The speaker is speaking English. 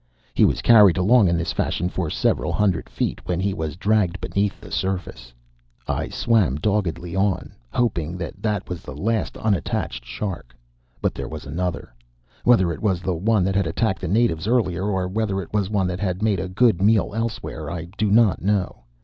He was carried along in this fashion for several hundred feet, when he was dragged beneath the surface. I swam doggedly on, hoping that that was the last unattached shark. But there was another. Whether it was one that had attacked the natives earlier, or whether it was one that had made a good meal elsewhere, I do not know.